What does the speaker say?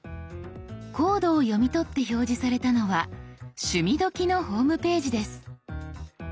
コードを読み取って表示されたのは「趣味どきっ！」のホームページです。